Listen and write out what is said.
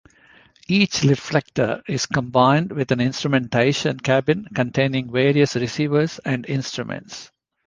Each reflector is combined with an instrumentation cabin containing various receivers and instruments.